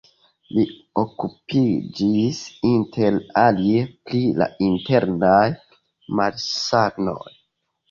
Li okupiĝis inter alie pri la internaj malsanoj.